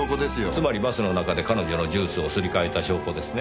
つまりバスの中で彼女のジュースをすり替えた証拠ですね？